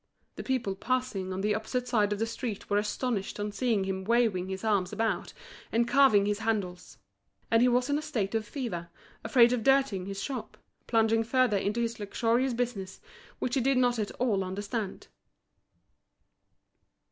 The people passing on the opposite side of the street were astonished on seeing him waving his arms about and carving his handles. And he was in a state of fever, afraid of dirtying his shop, plunging further into this luxurious business, which he did not at all understand.